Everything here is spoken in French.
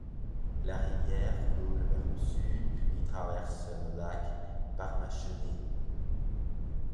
La rivière coule vers le sud, puis traverse le lac Parmachenee.